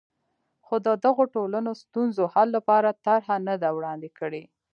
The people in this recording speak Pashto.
خو د دغو ټولنو ستونزو حل لپاره طرحه نه ده وړاندې کړې.